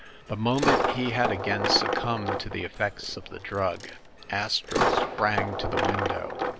The moment he had again succumbed to the effects of the drug Astro sprang to the window.